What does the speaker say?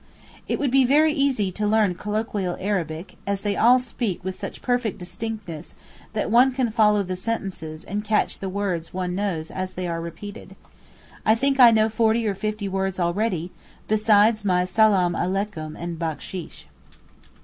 It would be very easy to learn colloquial Arabic, as they all speak with such perfect distinctness that one can follow the sentences and catch the words one knows as they are repeated. I think I know forty or fifty words already, besides my 'salaam aleikum' and 'backsheesh.